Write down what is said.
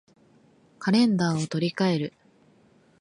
カレンダーを取り換える